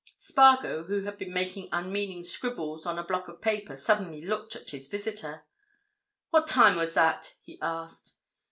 Spargo, who had been making unmeaning scribbles on a block of paper, suddenly looked at his visitor. "What time was that?" he asked.